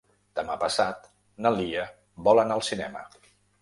Demà passat na Lia vol anar al cinema.